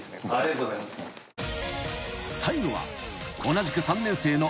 ［最後は同じく３年生の］